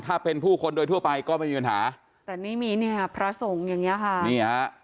ถ้าเป็นผู้คนโดยทั่วไปก็ไม่มีปัญหาแต่นี่มีพระสงฆ์อย่างนี้ค่ะ